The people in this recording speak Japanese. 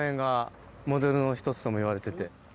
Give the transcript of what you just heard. モデルの１つともいわれてて。